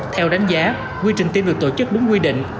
theo đánh giá quy trình tiêm được tổ chức đúng quy định